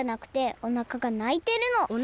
おなかがないてる？